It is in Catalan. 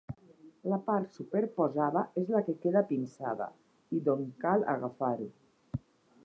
La part superposada és la que queda pinçada i d'on cal agafar-ho.